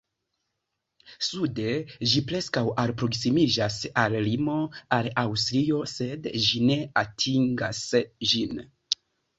Sude ĝi preskaŭ alproksimiĝas al limo al Aŭstrio, sed ĝi ne atingas ĝin.